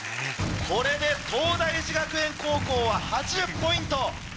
これで東大寺学園高校は８０ポイント。